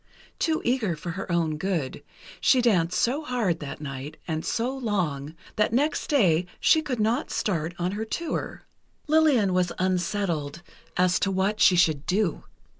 Too eager for her own good: she danced so hard, that night, and so long, that next day she could not start on her tour. Lillian was unsettled as to what she should do.